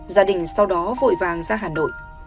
gia đình sau đó vội vàng ra hà nội